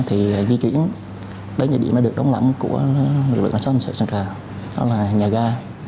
thì di chuyển đến địa điểm được đóng lãm của lực lượng sản xuất sân trà đó là nhà ga